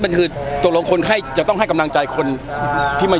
มันคือตกลงคนไข้จะต้องให้กำลังใจคนที่มัน